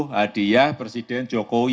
hadiah presiden jokowi